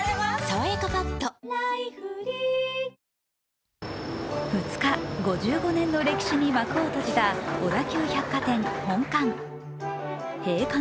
「さわやかパッド」２日、５５年の歴史に幕を閉じた小田急百貨店本館。